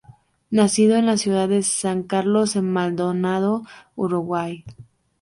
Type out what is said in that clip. Nacido en la ciudad de San Carlos en Maldonado, Uruguay.